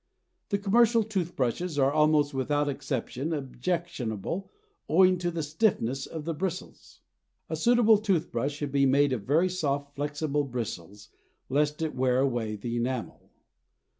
The commercial tooth brushes are almost without exception objectionable owing to the stiffness of the bristles. A suitable tooth brush should be made of very soft, flexible bristles, lest it wear away the enamel.